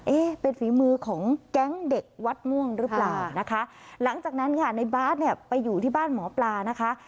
เอ๊ะเป็นฝีมือของแก๊งเด็กวัดม่วงหรือเปล่านะคะหลังจากนั้นค่ะในบาสเนี่ยไปอยู่ที่บ้านหมอปลานะคะ